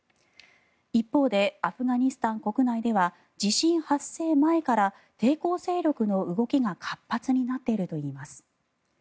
一方で、アフガニスタン国内では地震発生前から抵抗勢力の動きが活発になっているといいます。